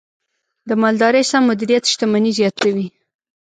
د مالدارۍ سم مدیریت شتمني زیاتوي.